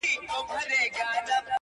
دې يوه لمن ښكلا په غېږ كي ايښې ده ـ